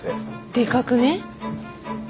でかくね？